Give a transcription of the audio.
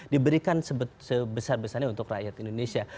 diberikan sebesar besarnya untuk rakyat indonesia